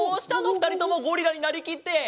ふたりともゴリラになりきって。